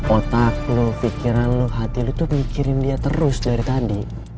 otak lo fikiran lo hati lo tuh mikirin dia terus dari tadi